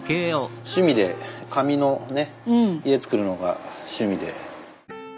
趣味で紙の家作るのが趣味で。